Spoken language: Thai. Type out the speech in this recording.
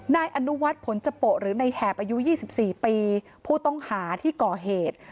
นายอนุวัฒน์ผลจโปะหรือในแหบอายุ๒๔ปีผู้ต้องหาที่ก่อเหตุ